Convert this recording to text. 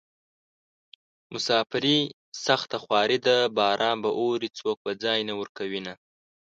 مساپري سخته خواري ده باران به اوري څوک به ځای نه ورکوينه